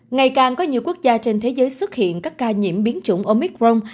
ngày càng có nhiều quốc gia trên thế giới xuất hiện các ca nhiễm biến chủng omicron